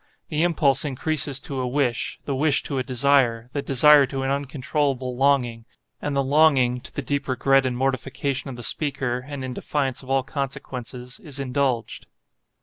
The impulse increases to a wish, the wish to a desire, the desire to an uncontrollable longing, and the longing (to the deep regret and mortification of the speaker, and in defiance of all consequences) is indulged.